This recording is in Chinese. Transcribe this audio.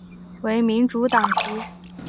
为民主党籍。